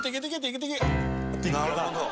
なるほど。